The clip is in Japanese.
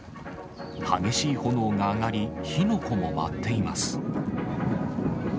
激しい炎が上がり、火の粉も舞っています。